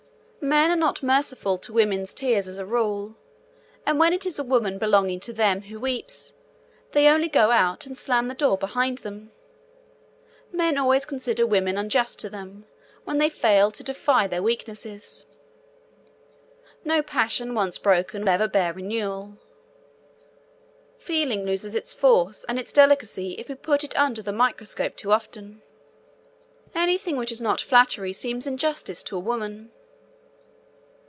Men are not merciful to women's tears as a rule; and when it is a woman belonging to them who weeps, they only go out, and slam the door behind them. Men always consider women unjust to them, when they fail to deify their weaknesses. No passion, once broken, will ever bear renewal. Feeling loses its force and its delicacy if we put it under the microscope too often. Anything which is not flattery seems injustice to a woman.